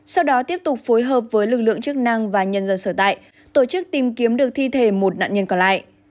sau đó tiếp tục phối hợp với lực lượng chức năng và nhân dân sở tại tổ chức tìm kiếm được thi thể một nạn nhân còn lại